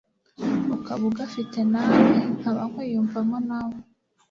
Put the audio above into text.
ukaba ugafite nawe nkaba nkwiyumvamo nawe